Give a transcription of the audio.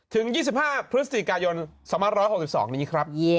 ถึง๒๕พฤศจิกายน๒๖๒นี้ครับ